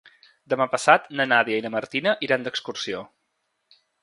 Demà passat na Nàdia i na Martina iran d'excursió.